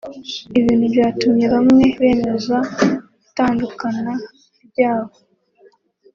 ibintu byatumye bamwe bemeza itandukana ryabo